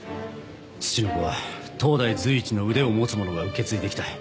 ツチノコは当代随一の腕を持つ者が受け継いできた。